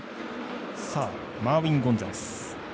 マーウィン・ゴンザレス。